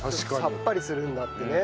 さっぱりするんだってね。